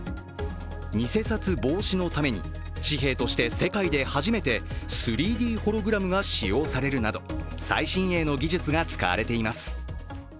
偽札防止のために紙幣として世界で初めて３Ｄホログラムが使用されるなど最新鋭の技術が使われています。